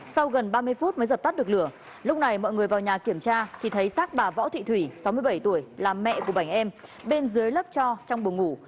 sau gần ba mươi phút mới dập tắt được lửa lúc này mọi người vào nhà kiểm tra thì thấy xác bà võ thị thủy sáu mươi bảy tuổi là mẹ của bảy em bên dưới lớp cho trong buồng ngủ